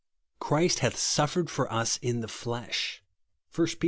"Christ hath siifieredfor us in the flesh," (1 Pet.